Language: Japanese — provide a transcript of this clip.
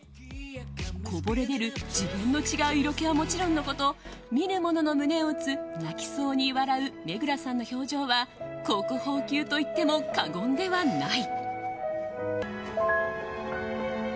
こぼれ出る次元の違う色気はもちろんのこと見る者の胸を打つ泣きそうに笑う目黒さんの表情は国宝級といっても過言ではない。